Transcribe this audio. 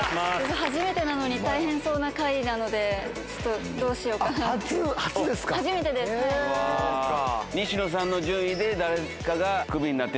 初めてなのに、大変そうな回で、ちょっと、どうしようかなって。